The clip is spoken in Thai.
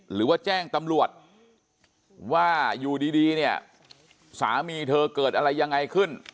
หรือว่าแจ้งตำรวจว่าอยู่ดีเนี่ยสามีเธอเกิดอะไรยังไงขึ้น